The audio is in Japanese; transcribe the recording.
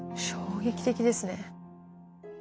衝撃的ですね。